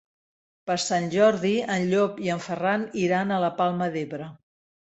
Per Sant Jordi en Llop i en Ferran iran a la Palma d'Ebre.